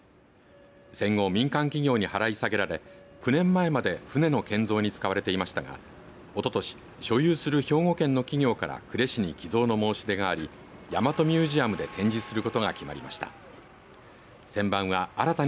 戦後、民間企業に払い下げられ９年前まで船の建造に使われていましたがおととし所有する兵庫県の企業から呉市に寄贈の申し入れがあり大和ミュージアムで展示することが決まりました。